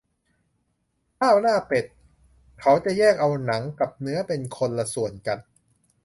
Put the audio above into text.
ข้าวหน้าเป็ด เขาจะแยกเอาหนังกับเนื้อเป็นคนละส่วนกัน